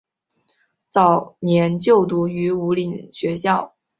早年就读于武岭学校。